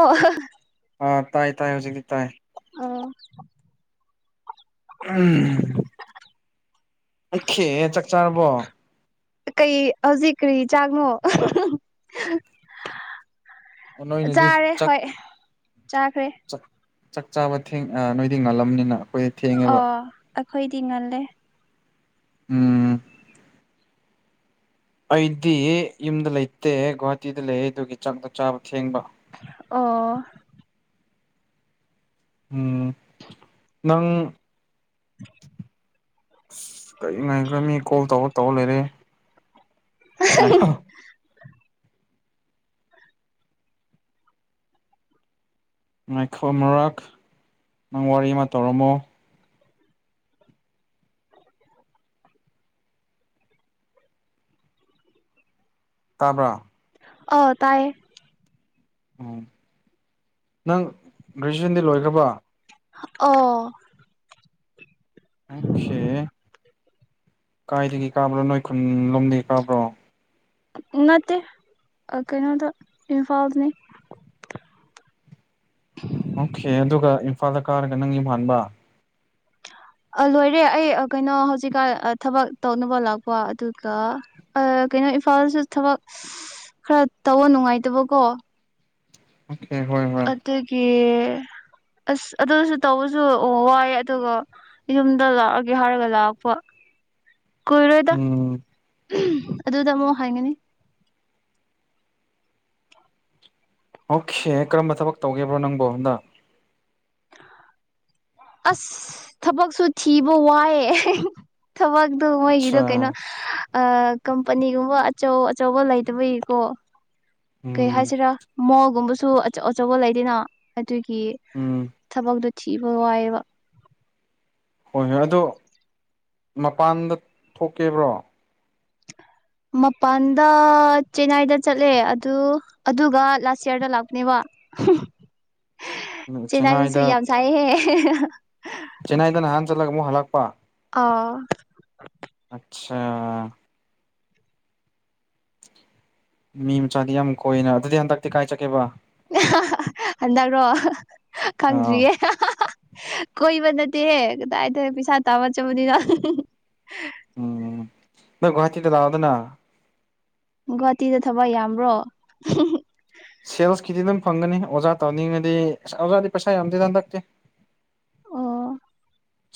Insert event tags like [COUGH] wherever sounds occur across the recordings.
ꯑꯣ ꯑꯥ ꯇꯥꯏ ꯇꯥꯏ ꯍꯧꯖꯤꯛꯇꯤ ꯇꯥꯏ ꯎꯝ ꯎꯝꯝ ꯈꯤꯦ ꯆꯥꯛ ꯆꯥꯔꯕꯣ ꯀꯩ ꯍꯧꯖꯤꯛ ꯀꯔꯤ ꯆꯥꯛꯅꯣ ꯅꯣꯏꯅꯗꯤ ꯆꯥꯔꯦ ꯆꯥꯛ ꯍꯣꯏ ꯆꯥꯈ꯭ꯔꯦ ꯆꯥꯛ ꯆꯥꯛ ꯆꯥꯕ ꯊꯦꯡ ꯅꯣꯏꯗꯤ ꯉꯥꯜꯂꯝꯅꯤꯅ ꯑꯩꯈꯣꯏꯗ ꯊꯦꯡꯉꯦꯕ ꯑꯣ ꯑꯩꯈꯣꯏꯗꯤ ꯉꯜꯂꯦ ꯎꯝ ꯑꯩꯗꯤ ꯌꯨꯝꯗ ꯂꯩꯇꯦ ꯒꯨꯍꯥꯇꯤꯗ ꯂꯩ ꯑꯗꯨꯒꯤ ꯆꯥꯛꯗꯣ ꯆꯥꯕ ꯊꯦꯡꯕ ꯑꯣ ꯎꯝ ꯅꯪ [INAUDIBLE] ꯑꯁ ꯀꯔꯤ ꯉꯥꯏꯈ꯭ꯔꯃꯤ ꯀꯣꯜ ꯇꯧꯔ ꯇꯧꯔ ꯂꯩꯔꯦ ꯑ ꯉꯥꯏꯈ ꯃꯔꯔꯛ ꯅꯪ ꯋꯥꯔꯤ ꯑꯃ ꯇꯧꯔꯝꯃꯣ ꯇꯥꯕ꯭ꯔꯥ ꯑ ꯇꯥꯏꯌꯦ ꯎ ꯅꯪ ꯒ꯭ꯔꯦꯖꯨꯋꯦꯁꯟꯗꯤ ꯂꯣꯏꯈ꯭ꯔꯕ ꯑꯣ ꯑꯣꯁꯦ ꯀꯥꯏꯗꯒꯤ ꯀꯥꯕ꯭ꯔꯣ ꯅꯣꯏ ꯈꯨꯨꯟꯂꯣꯝꯗꯒꯤ ꯀꯥꯕ꯭ꯔꯣ ꯉꯠꯇꯦ ꯀꯩꯅꯣꯗ ꯏꯝꯐꯥꯜꯅꯤ ꯑꯣꯀꯦ ꯑꯗꯨꯒ ꯏꯝꯐꯥꯜꯗ ꯀꯥꯔꯒ ꯅꯪ ꯌ ꯍꯥꯟꯕ ꯂꯣꯏꯔꯦ ꯑꯩ ꯀꯩꯅꯣ ꯍꯧꯖꯤꯛꯀꯥꯟ ꯊꯕꯛ ꯇꯧꯅꯕ ꯂꯥꯛꯄ ꯑꯗꯨꯒ ꯀꯩꯅꯣ ꯏꯝꯐꯥꯜꯗꯁꯨ ꯊꯕꯛ ꯈꯔ ꯇꯧꯕ ꯅꯨꯡꯉꯥꯏꯇꯕꯀꯣ ꯑꯣ ꯑꯗꯨꯗꯒꯤ [INAUDIBLE] ꯑꯁ ꯑꯗꯨꯁꯨ ꯇꯧꯕꯁꯨ ꯋꯥꯏꯑꯦ ꯑꯗꯨꯒ ꯌꯨꯝꯗ ꯂꯥꯛꯑꯒꯦ ꯍꯥꯏꯔꯒ ꯂꯥꯛꯄ [INAUDIBLE] ꯀꯨꯏꯔꯣꯏꯗ ꯎꯝ ꯑꯗꯨꯗ ꯑꯃꯨꯛ ꯍꯥꯏꯒꯅꯤ ꯑꯣꯀꯦ ꯀꯔꯝꯕ ꯊꯕꯛ ꯇꯧꯒꯦꯕ꯭ꯔꯣ ꯅꯪꯕꯨꯣ ꯍꯟꯗꯛ ꯑꯁ ꯊꯕꯛꯁꯨ ꯊꯤꯕ ꯋꯥꯏꯑꯦ ꯊꯕꯛꯗꯣ ꯃꯣꯏꯒꯤꯗꯣ ꯑꯠꯆꯥ ꯀꯩꯅꯣ ꯑ ꯀꯝꯄꯅꯤꯒꯨꯝꯕ ꯑꯆꯧ ꯑꯆꯧꯕ ꯂꯩꯇꯕꯒꯤꯀꯣ ꯀꯩ ꯎꯝ ꯍꯥꯏꯁꯤꯔꯥ ꯃꯣꯜꯒꯨꯝꯕꯁꯨ ꯑꯆꯧ ꯑꯆꯧꯕ ꯂꯩꯗꯅ ꯑꯗꯨꯒꯤ ꯎꯝ ꯊꯕꯛꯇꯣ ꯊꯤꯕ ꯋꯥꯏꯑꯕ ꯍꯣꯏ ꯍꯣꯏ ꯑꯣ ꯃꯄꯥꯟꯗ ꯊꯣꯛꯀꯦꯕ꯭ꯔꯣ ꯃꯄꯥꯟꯗ ꯆꯦꯟꯅꯥꯏꯗ ꯆꯠꯂꯦ ꯑꯗꯨ ꯑꯗꯨꯒ ꯂꯥꯁ ꯌꯌꯥꯔꯗ ꯂꯥꯛꯄꯅꯦꯕ [INAUDIBLE] ꯆꯦꯟꯅꯥꯏꯗꯁꯨ ꯆꯦꯟꯅꯥꯏꯗ ꯌꯥꯝ ꯁꯥꯏꯍꯦ ꯆꯦꯟꯅꯥꯏꯗ ꯅꯍꯥꯟ ꯆꯠꯂꯒ ꯑꯃꯨꯛ ꯍꯜꯂꯛꯄ ꯑꯥ ꯑꯆꯥ ꯃꯤ ꯃꯆꯥꯗꯤ ꯌꯥꯝ ꯀꯣꯏꯏꯅ ꯑꯗꯨꯗꯤ ꯍꯟꯗꯛꯇꯤ ꯀꯥꯏ ꯆꯠꯀꯦꯕ ꯍꯟ꯭ꯔꯣ ꯑꯥ ꯈꯪꯗ꯭ꯔꯤꯌꯦꯦ ꯀꯣꯏꯕ ꯅꯠꯇꯦꯍꯦ ꯀꯗꯥꯏꯗ ꯄꯩꯁꯥ ꯇꯥꯕ ꯆꯕꯅꯤꯅ ꯎꯝ ꯅ ꯒꯧꯋꯥꯍꯥꯇꯤꯗ ꯂꯑꯗꯅ ꯒꯨꯍꯥꯇꯤꯗ ꯊꯕ ꯌꯥꯝ꯭ꯔꯣ ꯁꯦꯜꯁꯀꯤꯗꯤ ꯑꯗꯨꯝ ꯐꯪꯒꯅꯤ ꯑꯣꯖꯥ ꯇꯧꯅꯤꯡꯉꯗꯤ ꯑꯣꯖꯥꯗꯤ ꯄꯩꯁꯥ ꯌꯥꯝꯗꯤ ꯍꯟꯗꯛꯇꯦ ꯑꯣ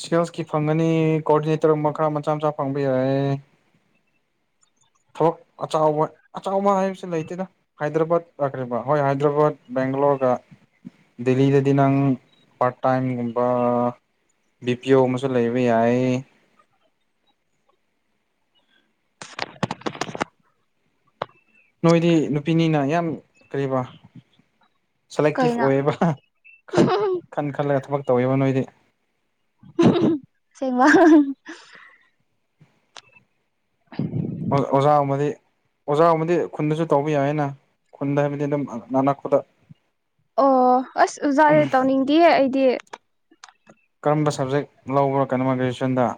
ꯁꯦꯜꯁꯀꯤ ꯐꯪꯒꯅꯤ ꯀꯣꯑꯣꯔꯗꯤꯅꯦꯇꯔ ꯃꯈꯥ ꯈꯔ ꯃꯆꯥ ꯃꯆꯥ ꯐꯪꯕ ꯌꯥꯏꯦ [INAUDIBLE] ꯊꯕꯛ ꯑꯆꯕ ꯍꯥꯏꯕꯁꯤ ꯂꯩꯇꯦꯅ ꯍꯥꯏꯗ꯭ꯔꯕꯥꯠꯈ꯭ꯔꯤꯕ ꯍꯣꯏ ꯍꯥꯏꯗ꯭ꯔꯕꯥꯠ ꯕꯦꯡꯒꯂꯣꯔ ꯊꯣꯛꯂꯒ ꯗꯦꯂꯤꯗꯗꯤ ꯅꯪ ꯄꯥꯔꯠ ꯇꯥꯏꯝꯒꯨꯝꯕ ꯕꯤ ꯄꯤ ꯑꯣ ꯑꯃꯁꯨ ꯂꯩꯕ ꯌꯥꯏ ꯅꯣꯏꯗꯤ ꯅꯨꯄꯤꯅꯤꯅ ꯌꯥꯝ ꯀꯔꯤꯕ ꯁꯦꯂꯦꯛꯇꯤꯞ ꯀꯩꯅꯣ ꯑꯣꯏꯌꯦꯕ ꯍꯍ ꯈꯜ ꯈꯟ ꯈꯜꯂꯒ ꯊꯕꯛ ꯇꯧꯋꯦꯕ ꯅꯣꯏꯗꯤ ꯑꯍꯨꯝ ꯍꯨꯝ ꯑꯁꯦꯡꯕ ꯍꯥ ꯍꯥ ꯍ [UNINTELLIGIBLE] ꯑꯣꯖꯥꯒꯨꯝꯕꯗꯤ ꯑꯣꯖꯥꯒꯨꯝꯕꯗꯤ ꯈꯨꯟꯗꯁꯨ ꯇꯧꯕ ꯌꯥꯏꯌꯦꯅ ꯈꯨꯟꯗ ꯍꯥꯏꯕꯗꯤ ꯑꯗꯨꯝ ꯑ ꯅꯅꯛ ꯄꯗ ꯑꯣ ꯑꯁ ꯑꯣꯖꯥꯥꯖꯦ ꯇꯧꯅꯤꯡꯗꯤꯌꯦ ꯑꯩꯗꯤ ꯀꯔꯝꯕ ꯁꯕꯖꯦꯛ ꯂꯧꯕ꯭ꯔꯥ ꯀꯅꯣꯃ ꯒ꯭ꯔꯦꯖꯨꯋꯦꯁꯟꯗ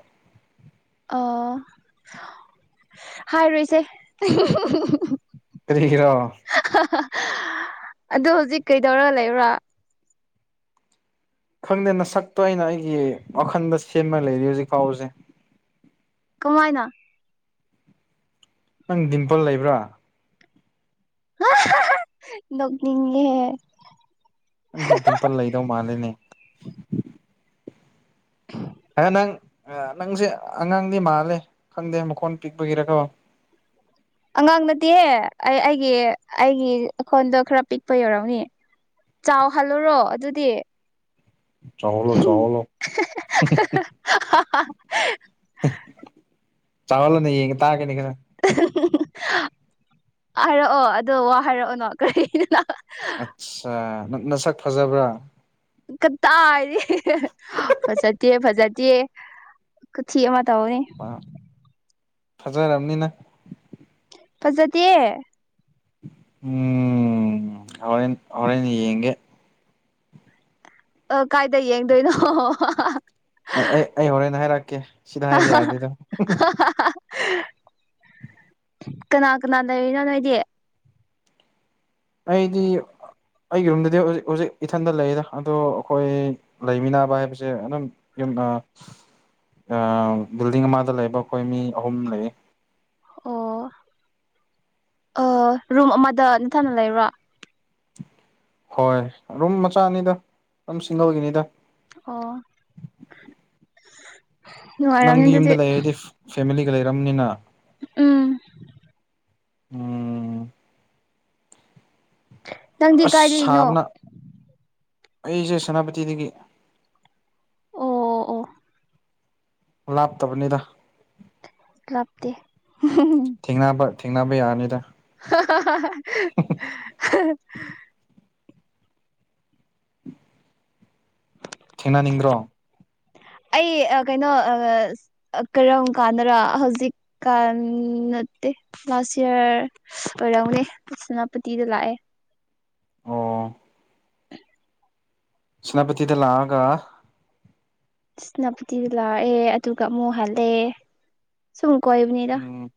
ꯑꯣ ꯁꯁ ꯍꯥꯏꯔꯣꯏꯁꯦ ꯑꯍꯨꯡ ꯍꯨꯡ ꯑꯍꯨꯡ ꯍꯨꯡ ꯍꯨꯡ ꯀꯔꯤꯒꯤꯔꯣ ꯍꯍ ꯑꯗꯣ ꯍꯧꯖꯤꯛ ꯀꯩꯗꯧꯔ ꯂꯩꯕ꯭ꯔꯥ ꯈꯪꯗꯦ ꯅꯁꯛꯇꯣ ꯑꯩꯅ ꯑꯩꯒꯤ ꯋꯥꯈꯟꯗ ꯁꯦꯝꯃ ꯂꯩꯔꯤ ꯍꯧꯖꯤꯛ ꯐꯥꯎꯕꯖꯦ ꯀꯃꯥꯏꯅ ꯅꯪ ꯗꯤꯝꯄꯜ ꯂꯩꯕ꯭ꯔꯥ ꯍꯥ ꯍꯥ ꯍ ꯅꯣꯛꯅꯤꯡꯉꯦꯍꯦ ꯅꯪꯖꯦ ꯗꯤꯝꯄꯜ ꯂꯩꯗꯧ ꯃꯥꯜꯂꯦꯅꯦ ꯑ ꯅꯪ ꯑ ꯅꯪꯁꯦ ꯑꯉꯥꯡꯗꯤ ꯃꯥꯜꯂꯦ ꯈꯪꯗꯦ ꯃꯈꯣꯟ ꯄꯤꯛꯄꯒꯤꯔ ꯀꯣ ꯑꯉꯥꯡ ꯅꯠꯇꯦꯍꯦ ꯑꯩ ꯑꯩꯒꯤ ꯑꯩꯒꯤ ꯑꯩ ꯈꯣꯟꯗ ꯈꯔ ꯄꯤꯛꯄꯩ ꯑꯣꯏꯔꯝꯒꯅꯤ ꯆꯥꯎ ꯍꯜꯂꯨꯔꯣ ꯑꯗꯨꯗꯤ ꯆꯥꯎꯍꯜꯂꯣ ꯆꯥꯎꯍꯜꯂꯣ ꯍꯨꯡ ꯍꯨꯡ ꯍꯨꯡ ꯆꯥꯎꯍꯜꯂꯨꯅꯤ ꯌꯦꯡꯒꯦ ꯇꯥꯒꯦꯅꯦ ꯈꯔ ꯎ ꯍꯨꯡ ꯍꯨꯡ ꯍꯨꯡ ꯍꯥꯏꯔꯛꯑꯣ ꯑꯗꯣ ꯋꯥ ꯍꯥꯏꯔꯛꯑꯣꯅꯣ ꯀꯔꯤꯅ ꯍꯥ ꯍꯍ ꯑꯠꯁꯥ ꯅꯪ ꯅꯁꯛ ꯐꯖꯕ꯭ꯔꯥ ꯀꯗꯥꯏꯗꯒꯤ ꯍꯤ ꯍ ꯍꯍ ꯐꯖꯗꯦ ꯐꯖꯗꯦ ꯈꯨꯊꯤ ꯑꯃ ꯇꯧꯔꯤ ꯐꯖꯔꯝꯅꯤꯅꯪ ꯐꯖꯗꯦ ꯎꯝ ꯍꯧꯔꯦꯟ ꯍꯧꯔꯦꯟ ꯌꯦꯡꯒꯦ ꯑ ꯀꯥꯏꯗ ꯌꯦꯡꯗꯣꯏꯅꯣ ꯍꯥ ꯍꯥ ꯍꯥ ꯍꯥ ꯑꯩ ꯑꯩ ꯑꯩ ꯍꯣꯔꯦꯟ ꯍꯥꯏꯔꯛꯀꯦ ꯁꯤꯗ ꯍꯥꯏꯕ ꯑꯍꯥ ꯌꯥꯗꯦꯗ ꯍꯥ ꯑꯍꯥ ꯍꯥ ꯍꯥ ꯍꯥ ꯍꯥ ꯀꯅꯥ ꯀꯅꯥ ꯂꯩꯔꯤꯅꯣ ꯅꯣꯏꯗꯤ ꯑꯩꯗꯤ ꯑꯩꯒꯤ ꯔꯨꯝꯗꯗꯤ ꯍꯧꯖꯤꯛ ꯍꯧꯖꯤꯛ ꯏꯊꯟꯗ ꯂꯩꯗ ꯑꯗꯣ ꯑꯈꯣꯏ ꯂꯩꯃꯤꯟꯅꯕ ꯍꯥꯏꯕꯁꯦ ꯑꯗꯨꯝ ꯌꯨꯝ ꯑꯥ ꯑꯥ ꯕꯤꯜꯗꯤꯡ ꯑꯃꯗ ꯂꯩꯕ ꯑꯈꯣꯏ ꯃꯤ ꯑꯍꯨꯝ ꯂꯩꯌꯦ ꯑꯣ ꯑ‌ꯣ ꯔꯨꯝ ꯑꯃꯗ ꯅꯊꯟ ꯂꯩꯕ꯭ꯔꯣ ꯍꯣꯏ ꯔꯨꯝ ꯃꯆꯥꯅꯤꯗꯥ ꯑꯗꯨꯝ ꯁꯤꯡꯒꯜꯒꯤꯅꯤꯗ ꯑꯣ ꯅꯨꯡꯉꯥꯏꯔꯝꯅꯤ ꯅꯪꯗꯤ ꯑꯗꯨꯗꯤ ꯌꯨꯝꯗ ꯂꯩꯔꯗꯤ ꯐꯦꯃꯤꯂꯤꯒ ꯂꯩꯔꯝꯅꯤꯅ ꯎꯝ ꯎꯝ ꯅꯪꯗꯤ ꯑꯁ ꯀꯥꯏꯗꯒꯤꯅꯣ ꯁꯥꯕꯅ ꯑꯩꯁꯦ ꯁꯦꯅꯥꯄꯇꯤꯗꯒꯤ ꯑꯣ ꯑꯣ ꯂꯥꯞꯇꯕꯅꯤꯗ ꯂꯥꯞꯇꯦ ꯍꯨꯡ ꯍꯨꯡ ꯍꯨꯡ ꯊꯦꯡꯅꯕ ꯊꯦꯡꯅꯕ ꯌꯥꯔꯅꯤꯗ ꯍꯥ ꯍꯥ ꯍꯥ ꯍꯥ ꯍꯥ ꯍꯍ ꯍꯍ ꯊꯦꯡꯅꯅꯤꯡꯕ꯭ꯔꯣ ꯑꯩ ꯀꯩꯅꯣ ꯀꯔꯝ ꯀꯥꯟꯅꯔ ꯍꯧꯖꯤꯛꯀꯥꯟꯦ ꯂꯥꯁ ꯌꯔ ꯑꯣꯏꯔꯎꯅꯦ ꯁꯦꯅꯥꯄꯇꯤꯗ ꯂꯥꯛꯑꯦ ꯑꯣ ꯁꯨꯅꯥꯄꯇꯤꯗ ꯂꯥꯛꯑꯒꯥ ꯁꯦꯅꯄꯇꯤꯗ ꯂꯥꯛꯑꯦ ꯑꯗꯨꯒ ꯑꯃꯨꯛꯍꯜꯂꯦ ꯁꯨꯝ ꯀꯣꯏꯕꯅꯤꯗ ꯎꯝ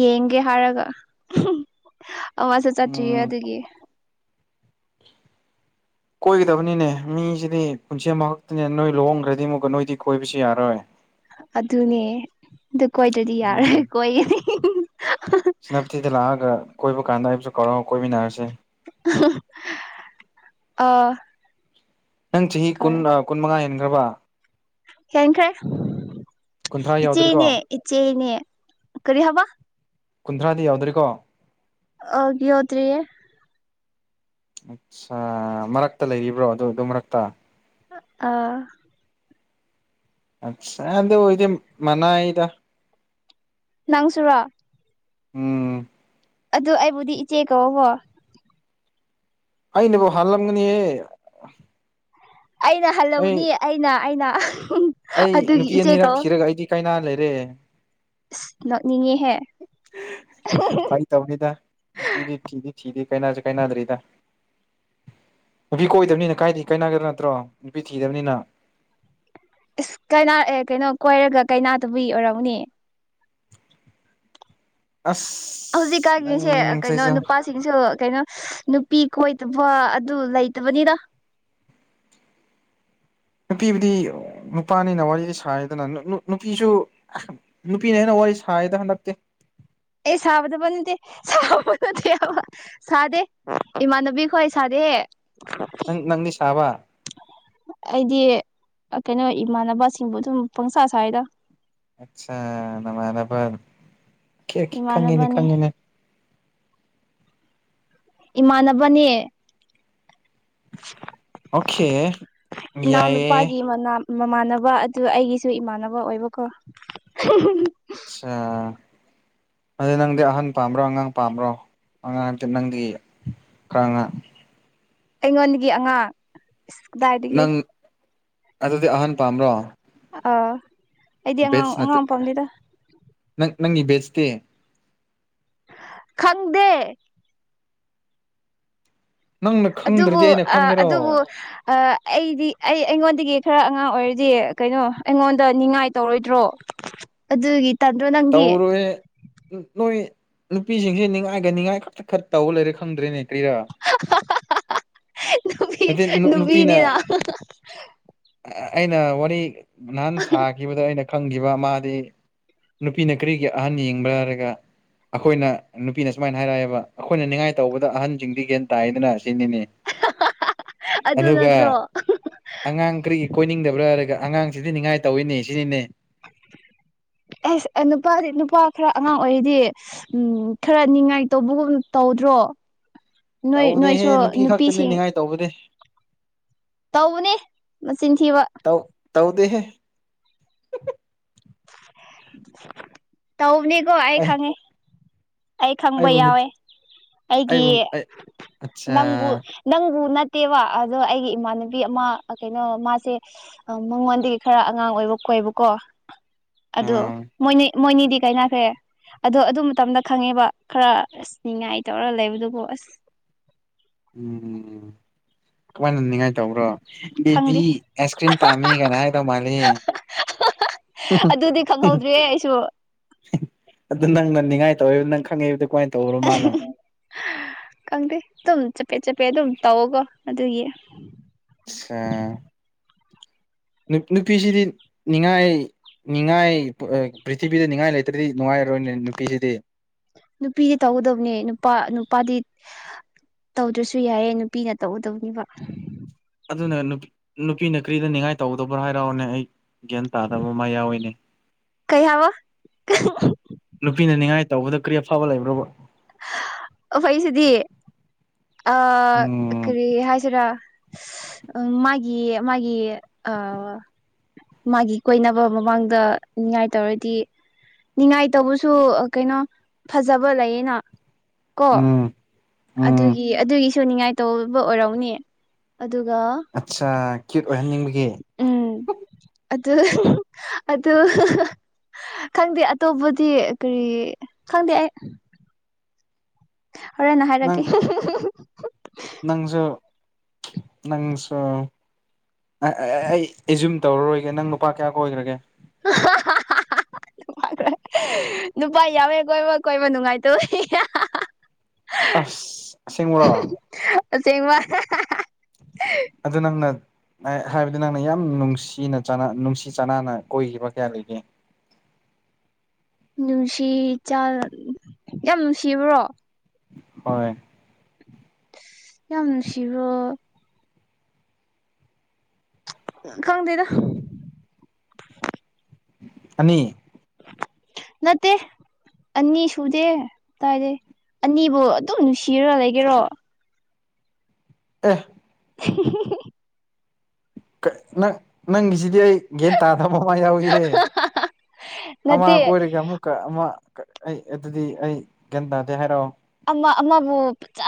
ꯌꯦꯡꯒꯦ ꯍꯥꯏꯔꯒ ꯑꯋꯥꯁꯨ ꯆꯠꯇ꯭ꯔꯤꯌꯦ ꯎꯝ ꯑꯗꯨꯒꯤ ꯀꯣꯏꯒꯗꯕꯅꯤꯅꯦ ꯃꯤꯁꯤꯗꯤ ꯄꯨꯟꯁꯤ ꯑꯃꯈꯛꯇꯅꯦ ꯅꯣꯏ ꯂꯨꯍꯣꯡꯈ꯭ꯔꯗꯤ ꯑꯃꯨꯛꯀ ꯅꯣꯏꯗꯤ ꯀꯣꯏꯕꯁꯨ ꯌꯥꯔꯣꯏ ꯑꯗꯨꯅꯦ ꯑꯗꯨ ꯀꯣꯏꯗ꯭ꯔꯗꯤ ꯌꯥꯔꯣꯏ ꯀꯣꯏꯒꯅꯤ ꯁꯤꯅꯥꯕꯨꯊꯤꯗ ꯂꯥꯛꯑꯒ ꯀꯣꯏꯕ ꯀꯥꯟꯗ ꯑꯩꯕꯨꯁꯨ ꯀꯥꯎꯔꯒ ꯀꯣꯏꯃꯤꯟꯅꯔꯁꯦ ꯑ ꯅꯪ ꯆꯍꯤ ꯀꯨꯟ ꯀꯨꯟ ꯃꯉꯥ ꯍꯦꯟꯈ꯭ꯔꯕ ꯍꯦꯟꯈ꯭ꯔꯦ ꯀꯨꯟꯊ꯭ꯔꯥ ꯌꯥꯎꯗ꯭ꯔꯤꯀꯣ ꯏꯆꯦꯅꯦ ꯏꯆꯦꯅꯦ ꯀꯔꯤ ꯍꯥꯕ ꯀꯨꯟꯊ꯭ꯔꯥꯗꯤ ꯌꯥꯎꯗ꯭ꯔꯤꯀꯣ ꯑꯣꯒꯤ ꯌꯎꯗ꯭ꯔꯤ ꯑꯠꯆꯥ ꯃꯔꯛꯇ ꯂꯩꯔꯤꯕ꯭ꯔꯣ ꯑꯗꯨ ꯑꯗꯨ ꯃꯔꯛꯇ ꯑꯥ ꯑꯆꯥ ꯑꯗ ꯏꯗꯤ ꯃꯅꯥꯏꯗ ꯅꯪꯁꯨꯔꯥ ꯎꯝ ꯑꯗꯨ ꯑꯩꯕꯨꯗꯤ ꯏꯆꯦ ꯀꯧꯀꫭ ꯑꯩꯅꯦꯕꯣ ꯍꯜꯂꯝꯒꯅꯤꯍꯦ ꯑꯩꯅ ꯍꯜꯂꯧꯅꯤ ꯑꯩꯅ ꯑꯩꯅ ꯑꯩ ꯑꯗꯨꯒꯤ ꯅꯨꯄꯤ ꯏꯆꯦ ꯑꯅꯤꯔꯛ ꯊꯤꯔꯒ ꯑꯩꯗꯤ ꯀꯥꯏꯅꯥ ꯂꯩꯔꯦ ꯅꫭꯛꯅꯤꯡꯉꯦ ꯐꯥꯏ ꯇꯧꯕꯅꯤꯗ ꯄꯅꯦ ꯊꯤꯗ ꯊꯤꯗ ꯀꯩꯅꯅꯥꯖ ꯀꯥꯏꯩꯅꯗ꯭ꯔꯔꯤꯗꯥ ꯅꯨꯄꯤ ꯀꯣꯏꯗꯕꯅꯤꯅ ꯀꯥꯏꯗꯦ ꯀꯥꯏꯅꯒꯗ꯭ꯔꯥ ꯅꯠꯇ꯭ꯔꯣ ꯅꯨꯄꯤ ꯊꯤꯗꯕꯅꯤꯅ ꯑꯁ ꯀ ꯑꯦ ꯀꯩꯅꯣ ꯀꯣꯏꯔꯒ ꯀꯩꯅꯥꯗꯕꯩ ꯑꯣꯏꯔꯝꯒꯅꯤ ꯑꯁ ꯍꯧꯖꯤꯛꯀꯥꯟꯒꯤꯁꯦ ꯀꯩꯅꯣ ꯅꯪꯁꯤꯁꯨ ꯅꯨꯄꯥꯁꯤꯡꯁꯨ ꯀꯩꯅꯣ ꯄꯤ ꯀꯣꯏꯗꯕ ꯑꯗꯨ ꯂꯩꯇꯕꯅꯤꯔ ꯅꯨꯄꯤꯕꯨꯗꯤ ꯅꯨꯄꯥꯅꯤꯅ ꯋꯥꯔꯤ ꯁꯥꯗꯅ ꯅꯨꯄꯤꯁꯨ ꯅꯨꯄꯤꯅꯤ ꯍꯥꯏꯅ ꯁꯥꯏꯑꯗ ꯍꯗꯞꯦ ꯑꯦ ꯁꯥꯕꯗꯕ ꯅꯠꯇꯦꯕ ꯅꯠꯇꯦ ꯁꯥꯗꯦ ꯏꯃꯥꯟꯅꯕꯤꯈ ꯑꯩ ꯁꯥꯗꯦ ꯅꯪ ꯅꯪꯅꯤ ꯁꯥꯕ ꯑꯩꯗꯤ ꯀꯩꯅꯣ ꯏꯃꯥꯟꯅꯕꯁꯤꯡꯕꯨ ꯑꯗꯨꯝ ꯄꯪꯁꯥ ꯁꯥꯏꯗ ꯑꯆꯥ ꯅꯃꯥꯟꯅꯄ ꯀꯦ ꯈꯪꯉꯤꯅꯦ ꯏꯃꯥꯟꯅꯕꯅꯦ ꯈꯪꯉꯤꯅꯦ ꯏꯃꯥꯟꯅꯕꯅꯦ ꯑꯣꯀꯦ ꯏꯅꯥꯟꯅ ꯌꯥꯏꯌꯦ ꯎꯄꯥꯒꯤ ꯃꯅꯥ ꯃꯃꯥꯟꯅꯕ ꯑꯗꯨ ꯑꯩꯒꯤꯁꯨ ꯏꯃꯥꯟꯅꯕ ꯑꯣꯏꯕꯀꯣ ꯑꯆꯥ ꯑꯗꯨꯗ ꯅꯪꯗꯤ ꯑꯍꯟ ꯄꯥꯝꯕ꯭ꯔꯣ ꯑꯉꯥꯡ ꯄꯥꯝꯕ꯭ꯔꯣ ꯑꯉꯥꯡ ꯇꯅꯪꯗꯤꯉ ꯑꯩꯉꯣꯟꯗꯒꯤ ꯑꯉꯥꯡ ꯀꯗꯥꯏꯗꯒꯤ ꯅꯪ ꯑꯗꯨꯗꯤ ꯑꯍꯥꯟ ꯄꯥꯝꯕ꯭ꯔꯣ ꯑꯥ ꯑꯩꯗꯤ ꯑꯉꯥꯡ ꯕꯦꯠꯁ ꯅꯠꯇ ꯑꯉꯥꯡ ꯃꯄꯥꯝꯅꯤꯗ ꯅꯪ ꯅꯪꯒꯤ ꯕꯦꯁꯇꯦ ꯈꯪꯗꯦ ꯅꯪꯅ ꯑꯗꯨꯕꯨ ꯈꯪꯗ꯭ꯔꯗꯤ ꯑꯩꯅ ꯈꯪꯒꯦꯔꯣ ꯑꯗꯨꯕꯨ ꯑꯩꯗꯤ ꯑꯩ ꯑꯩꯉꯣꯟꯗ ꯑꯗꯨꯒꯤ ꯈꯔ ꯑꯉꯥꯡ ꯑꯣꯏꯔꯗꯤ ꯀꯩꯅꯣ ꯑꯩꯉꯣꯟꯗ ꯉꯥꯏ ꯇꯧꯔꯣꯏꯗ꯭ꯔꯣ ꯑꯗꯨꯒꯤ ꯇꯟꯗ꯭ꯔꯣ ꯅꯪꯗꯤ ꯇꯧꯔꯨꯏꯦ ꯅꯣꯏ ꯅꯨꯄꯤꯁꯤꯡꯁꯦ ꯅꯤꯡꯉꯥꯏꯒꯅꯤꯉꯥꯏ ꯈꯛꯇ ꯈꯔ ꯇꯧꯕ ꯂꯩꯔꯦ ꯈꯪꯗ꯭ꯔꯦꯅꯦ ꯀ꯭ꯔꯤꯔꯥ ꯅꯨꯃꯤ ꯅꯨꯃꯤꯅꯤꯗ ꯑꯩꯅ ꯋꯥꯔꯤ ꯅꯍꯥꯟ ꯁꯥꯈꯤꯕꯗ ꯑꯩꯅ ꯈꯪꯈꯤꯕ ꯃꯥꯗꯤ ꯅꯨꯄꯤꯅ ꯀꯔꯤꯒꯤ ꯑꯍꯟ ꯌꯦꯡꯕ ꯍꯥꯏꯔꯒ ꯑꯩꯈꯣꯏꯅ ꯅꯨꯄꯤꯅ ꯁꯨꯃꯥꯏꯅ ꯍꯥꯏꯔꯛꯑꯦꯕ ꯑꯩꯈꯣꯏꯅ ꯅꯤꯡꯉꯥꯏ ꯇꯧꯕꯗ ꯑꯍꯟꯁꯤꯡꯗꯤ ꯒꯌꯥꯦꯟ ꯇꯥꯏꯗꯅ ꯁꯤ ꯑꯗꯨ ꯅꯠꯇ꯭ꯔꯣ ꯑꯗꯨꯒ ꯑꯉꯥꯡ ꯀꯔꯤ ꯀꯣꯏꯅꯤꯡꯗꯕ꯭ꯔꯥ ꯍꯥꯏꯔꯒ ꯑꯉꯥꯡꯁꯤꯗꯤ ꯅꯤꯡꯉꯥꯏ ꯇꯧꯋꯤꯅꯦ ꯁꯤꯅꯤꯅꯦ ꯑꯁ ꯅꯨꯄꯥꯗꯤ ꯅꯨꯄꯥ ꯈꯔ ꯑꯉꯥꯡ ꯑꯣꯏꯔꯤꯗꯤ ꯎ ꯈꯔ ꯅꯤꯡꯉꯥꯏꯇꯧꯕꯒꯨꯝ ꯇꯧꯗ꯭ꯔꯣ ꯅꯣꯏ ꯇꯧꯕꯗꯤꯍꯦ ꯅꯣꯏꯁꯨ ꯅꯨꯄꯤ ꯈꯛꯇꯅꯦ ꯅꯤꯡꯉꯥꯏ ꯇꯧꯕꯗꯤ ꯇꯧꯕꯅꯦ ꯃꯆꯤꯟ ꯊꯤꯕ ꯇꯧ ꯇꯧꯗꯦꯍꯦ ꯇꯧꯅꯤ ꯀꯣꯏ ꯑꯩ ꯈꯪꯉꯦ ꯑꯩ ꯈꯪꯕ ꯑꯩꯕꯨ ꯌꯥꯎꯋꯦ ꯑꯩꯒꯤ ꯑꯩꯕꯨ ꯑꯩ ꯑꯠꯆꯥ ꯅꯪꯕꯨ ꯅꯪꯕꯨ ꯅꯠꯇꯦꯕ ꯑꯗꯣ ꯑꯩꯒꯤ ꯏꯃꯥꯟꯅꯕꯤ ꯑꯃ ꯀꯩꯅꯣ ꯃꯥꯁꯦ ꯃꯉꯣꯟꯗꯒꯤ ꯈꯔ ꯑꯉꯥꯡ ꯑꯣꯏꯕ ꯀꯕꯨ ꯀꯣ [INAUDIBLE] ꯑꯥ ꯃꯣꯏꯅꯤꯗꯤ ꯀꯥꯏꯅꯈ꯭ꯔꯦ ꯑꯗꯣ ꯑꯗꯨ ꯃꯇꯝꯗ ꯈꯪꯉꯦꯕ ꯈꯔ ꯑꯁ ꯅꯤꯡꯉꯥꯏ ꯇꯧꯔ ꯂꯩꯕꯗꯨꯕꯨ ꯑꯁ ꯎꯝ ꯀꯃꯥꯏꯅ ꯍꯅꯤꯡꯉꯥꯏ ꯇꯧꯕ꯭ꯔꯣ ꯕꯦꯕꯤ ꯈꯪꯗꯦ ꯑꯥꯏꯁ ꯀ꯭ꯔꯤꯝ ꯄꯥꯝꯃꯤ ꯀꯅ ꯍꯥꯏꯗꯧ ꯃꯥꯜꯂꯤ ꯑꯗꯨꯗꯤ ꯈꯪꯍꯧꯗ꯭ꯔꯦ ꯑꯩꯁꯨ ꯑꯗꯨ ꯅꯪꯅ ꯅꯤꯡꯉꯥꯏ ꯇꯧꯕ ꯅꯪ ꯈꯪꯉꯛꯏꯕꯗꯨ ꯈꯪꯗꯦ ꯑꯗꯨꯝ ꯆꯞꯄꯦꯠ ꯆꯠꯄꯦꯠ ꯑꯗꯨꯝ ꯇꯧꯒ ꯑꯗꯨꯒꯤ ꯑ ꯅꯨꯄꯤꯁꯤꯗꯤ ꯅꯤꯡꯉꯥꯏ ꯅꯤꯡꯉꯥꯏ ꯄ꯭ꯊꯤꯕꯤꯗ ꯅꯤꯡꯉꯥꯏ ꯂꯩꯇꯇꯩꯗꯤ ꯅꯨꯡꯉꯥꯏ ꯅꯨꯄꯤꯗꯤ ꯇꯧꯒꯗꯕꯅꯦ ꯅꯨꯄꯥ ꯅꯨꯄꯥꯗꯤ ꯇꯧꯗ꯭ꯔꯁꯨ ꯌꯥꯏꯑꯦ ꯅꯨꯄꯤꯅ ꯇꯧꯎꯗꯧꯅꯦꯕ ꯑꯗꯨꯅ ꯅꯨꯄꯤꯅ ꯀꯔꯤꯗ ꯅꯤꯡꯉꯥꯏ ꯇꯧꯒꯗꯕ꯭ꯔꯥ ꯍꯥꯏꯔꯛꯑꯣꯅꯦ ꯑꯩ ꯒ꯭ꯌꯥꯟ ꯇꯥꯗꯕ ꯑꯃ ꯌꯥꯎꯋꯤꯅꯦ ꯀꯩ ꯍꯥꯏꯕ ꯅꯨꯄꯤꯅ ꯅꯤꯡꯉꯥꯏ ꯇꯧꯕꯗ ꯀꯔꯤꯐꯕ ꯂꯩꯕ꯭ꯔꯣꯕ ꯐꯩꯁꯤꯗꯤ ꯑ ꯎꯝ ꯀꯔꯤ ꯍꯥꯏꯁꯤꯔꯥ ꯃꯥꯒꯤ ꯃꯥꯒꯤ ꯑ ꯃꯥꯒꯤ ꯀꯣꯏꯅꯕ ꯃꯃꯥꯡꯗ ꯅꯤꯡꯉꯥꯏꯇꯧꯔꯗꯤ ꯉꯥꯏꯇꯧꯕꯁꯨ ꯀꯩꯅꯣ ꯐꯖꯕ ꯂꯩꯌꯦꯅ ꯀꯣ ꯎꯝ ꯎꯝ ꯑꯗꯨꯒꯤ ꯑꯗꯨꯒꯤꯁꯨ ꯅꯤꯡꯉꯥꯏꯇꯧꯕ ꯑꯣꯏꯔꯛꯅꯦ ꯑꯗꯨꯒ ꯑꯠꯆꯥ ꯀ꯭ꯌꯨꯠ ꯑꯣꯏꯍꯟꯅꯤꯡꯕꯒꯤ ꯎꯝ ꯑ ꯑꯗ ꯈꯪꯗꯦ ꯑꯇꯣꯞꯄꯗꯤ ꯀꯔꯤ ꯈꯪꯗꯦ ꯑꯩ ꯍꯣꯔꯦꯟꯅ ꯅꯪ ꯍꯥꯏꯔꯛꯀꯦ ꯅꯪꯁꯨ ꯅꯪꯁꯨꯣ ꯑꯩ ꯑꯦꯖꯨꯝ ꯇꯧꯔꯔꯣꯏꯒꯦ ꯅꯪ ꯅꯨꯄꯥ ꯀꯌꯥ ꯀꯣꯏꯈ꯭ꯔꯒꯦ [INAUDIBLE] ꯅꯨꯄꯥ ꯌꯥꯎꯋꯦ ꯀꯣꯏꯕ ꯀꯣꯏꯕ ꯅꯨꯡꯉꯥꯏꯇꯧ ꯑꯁ ꯑꯁꯦꯡꯕꯨꯔꯣ ꯆꯦꯡꯦꯡ ꯃꯥ ꯑꯗꯨꯗ ꯅꯪꯅ ꯍꯥꯏꯕꯗꯤ ꯅꯪꯅ ꯌꯥꯝ ꯅꯨꯡꯁꯤꯅ ꯅꯨꯡꯁꯤ ꯆꯅꯅ ꯀꯣꯏꯈꯤꯕ ꯀꯌꯥ ꯂꯩꯒꯦ [UNINTELLIGIBLE] [INAUDIBLE] ꯅꯨꯡꯁꯤ ꯆ ꯌꯥꯝ ꯅꯨꯡꯁꯤꯕ꯭ꯔꯣ ꯍꯣꯏ ꯌꯥꯝ ꯅꯨꯡꯁꯤꯔꯣ ꯈꯪꯗꯗ ꯑꯅꯤ ꯅꯠꯇꯦ ꯑꯅꯤ ꯁꯨꯗꯦ ꯀꯥꯏꯗꯦ ꯑꯅꯤꯕꯨ ꯑꯗꯨꯝ ꯅꯨꯡꯁꯤꯔ ꯂꯩꯒꯦꯔꯣ ꯑ [UNINTELLIGIBLE] [INAUDIBLE] [UNINTELLIGIBLE] [INAUDIBLE] ꯪ ꯅꯪ [UNINTELLIGIBLE] [INAUDIBLE] ꯁꯤꯗꯤ ꯑꯩ ꯒꯌꯥꯟ ꯇꯥꯗꯕ ꯑꯃ ꯌꯥꯎꯏ ꯅꯠꯇꯦ ꯑꯃ ꯀꯣꯏꯔꯒ ꯑꯃꯨꯛꯀ ꯑꯃ ꯑꯩ ꯑꯗꯨꯗꯤ ꯑꯩ ꯒ꯭ꯌꯥꯟ ꯇꯥꯗꯦ ꯍꯥꯏꯔꯛꯑꯣ ꯑꯃꯕꯨ ꯆꯥ